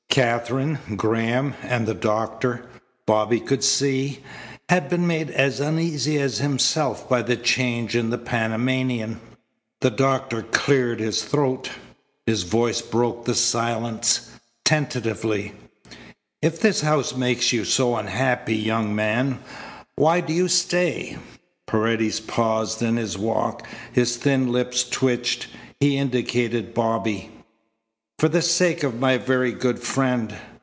Katherine, Graham, and the doctor, Bobby could see, had been made as uneasy as himself by the change in the Panamanian. The doctor cleared his throat. His voice broke the silence tentatively: "If this house makes you so unhappy, young man, why do you stay?" Paredes paused in his walk. His thin lips twitched. He indicated Bobby. "For the sake of my very good friend.